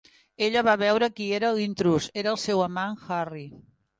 Ella va veure qui era l"intrús: era el seu amant, Harry.